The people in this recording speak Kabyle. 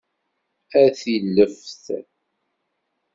A tileft!